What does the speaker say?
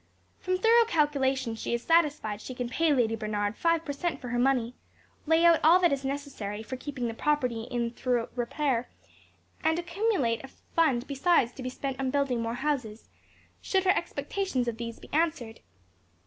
From thorough calculation she is satisfied she can pay Lady Bernard five per cent for her money, lay out all that is necessary for keeping the property in thorough repair, and accumulate a fund besides to be spent on building more houses, should her expectations of these be answered.